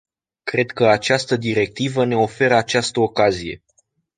Cred că această directivă ne oferă această ocazie.